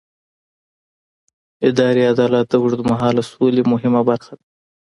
اداري عدالت د اوږدمهاله سولې مهمه برخه ده